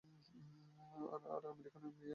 আরে ওই আমেরিকান মেয়ে?